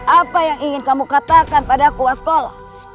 apa yang ingin kamu katakan pada aku waskolo